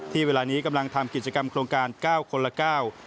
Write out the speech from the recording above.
ที่เวลานี้กำลังทำกิจกรรมโครงการ๙คนละ๙